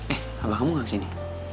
eh abang kamu gak kesini